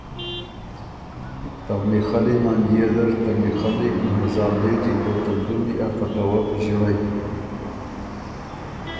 ته میخلي منجيې زر ته میخلي، مرزابېجی او ته ډُمی ا کَټَوَک ݫِنړئ،